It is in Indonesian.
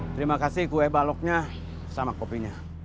terima kasih kue baloknya sama kopinya